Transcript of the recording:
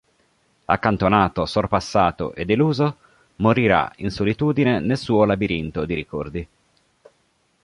Accantonato, sorpassato e deluso, morirà in solitudine nel suo "labirinto" di ricordi.